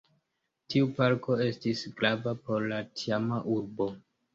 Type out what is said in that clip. Tiu parko estis grava por la tiama urbo.